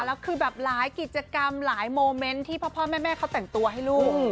แล้วคือแบบหลายกิจกรรมหลายโมเมนต์ที่พ่อแม่เขาแต่งตัวให้ลูก